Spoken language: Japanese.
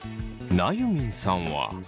なゆみんさんは。